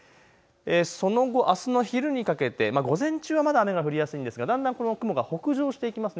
その後、あすの昼にかけて午前中はまだ雨が降りやすいんですがだんだん雲、北上していきます。